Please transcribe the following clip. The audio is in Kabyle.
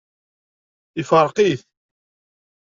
Ifṛeq-it.